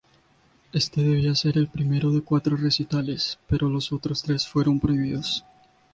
Este debía ser el primero de cuatro recitales, pero los otros tres fueron prohibidos.